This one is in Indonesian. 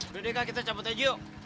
udah deh kak kita cabut aja yuk